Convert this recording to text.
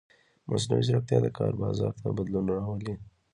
مصنوعي ځیرکتیا د کار بازار ته بدلون راولي.